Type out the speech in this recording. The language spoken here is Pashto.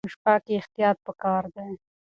په شپه کې احتیاط پکار دی.